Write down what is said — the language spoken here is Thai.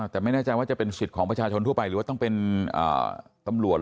แต่ไม่แน่ใจว่าจะเป็นสิทธิ์ของประชาชนทั่วไปหรือว่าต้องเป็นตำรวจ